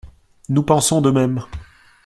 Nous pensons de même.